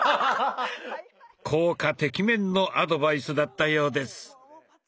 効果てきめんのアドバイスだったようです。